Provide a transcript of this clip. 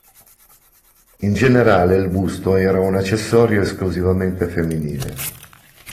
In generale il busto era un accessorio esclusivamente femminile.